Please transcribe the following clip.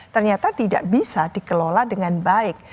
ternyata tidak bisa dikelola dengan baik